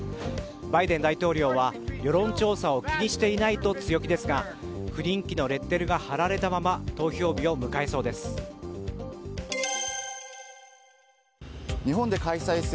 バイデン大統領は世論調査を気にしていないと強気ですが不人気のレッテルが貼られたまま投票日を迎えそうです。